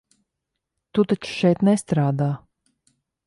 Tu taču šeit nestrādā?